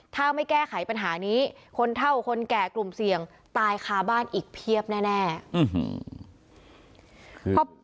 ถ้าไม่แก้ไขปัญหานี้คนเท่าคนแก่กลุ่มเสี่ยงตายคาบ้านอีกเพียบแน่